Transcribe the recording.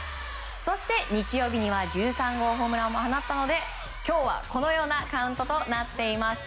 そして、日曜日には１３号ホームランも放ったので今日は、このようなカウントとなっています。